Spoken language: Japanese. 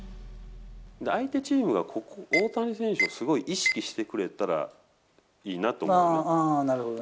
相手チームが大谷選手をすごい意識してくれたらいいなと思っなるほどね。